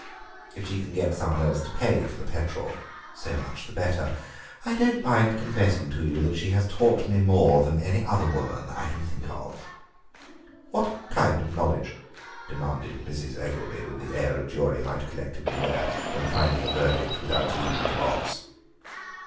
If she can get some one else to pay for the petrol so much the better. I don't mind confessing to you that she has taught me more than any other woman I can think of." "What kind of knowledge?" demanded Mrs. Eggelby, with the air a jury might collectively wear when finding a verdict without leaving the box.